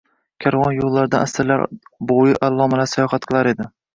Karvon yoʻllaridan asrlar boʻyi allomalar sayohat qilar edi.